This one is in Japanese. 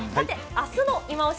明日の「いまオシ！